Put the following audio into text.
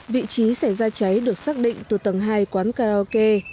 vị trí xảy ra cháy được xác định từ tầng hai quán karaoke